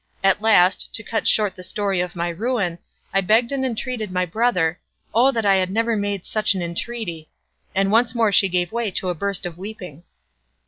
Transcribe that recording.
At last, to cut short the story of my ruin, I begged and entreated my brother O that I had never made such an entreaty—" And once more she gave way to a burst of weeping.